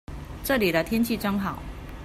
這裡的天氣真好